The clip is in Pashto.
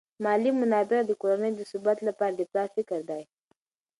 مالی منابع د کورنۍ د ثبات لپاره د پلار فکر دي.